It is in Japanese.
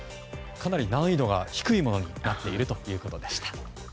かなり難易度が低いものになっているということでした。